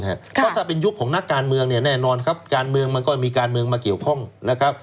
เพราะถ้าเป็นยุคของนักการเมืองเนี่ยแน่นอนครับการเมืองมันก็มีการเมืองมาเกี่ยวข้องนะครับ